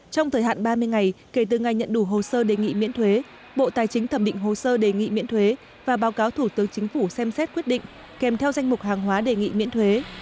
trong thời hạn ba mươi ngày kể từ ngày nhận đủ hồ sơ đề nghị miễn thuế bộ tài chính thẩm định hồ sơ đề nghị miễn thuế và báo cáo thủ tướng chính phủ xem xét quyết định kèm theo danh mục hàng hóa đề nghị miễn thuế